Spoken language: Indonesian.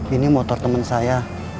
ini motor temen saya